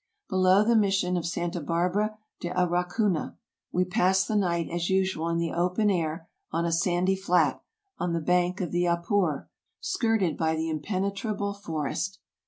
Below the mission of Santa Barbara de Arichuna we passed the night as usual in the open air, on a sandy flat, on the bank of the Apure, skirted by the impenetrable forest.